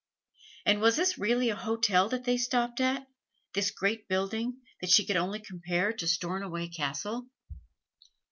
And was this really a hotel that they stopped at this great building that she could only compare to Stornoway Castle?